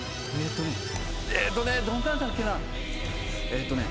えーっとね